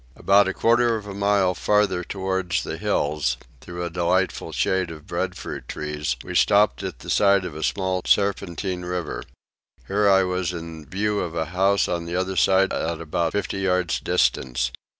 About a quarter of a mile farther towards the hills, through a delightful shade of breadfruit trees, we stopped at the side of a small serpentine river: here I was in view of a house on the other side at about fifty yards distance.